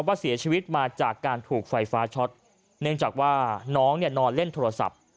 ว่าเสียชีวิตมาจากการถูกไฟฟ้าช็อตเนื่องจากว่าน้องเนี่ยนอนเล่นโทรศัพท์